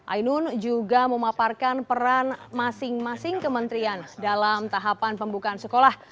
ainun juga memaparkan peran masing masing kementerian dalam tahapan pembukaan sekolah